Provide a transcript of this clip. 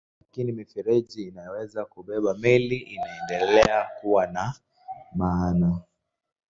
Lakini mifereji inayoweza kubeba meli inaendelea kuwa na maana.